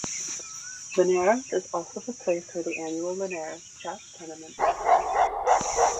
Linares is also the place where the annual Linares chess tournament was held.